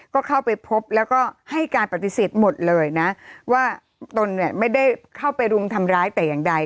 ก็เข้าไปพบแล้วก็ให้การปฏิเสธหมดเลยนะว่าตนเนี่ยไม่ได้เข้าไปรุมทำร้ายแต่อย่างใด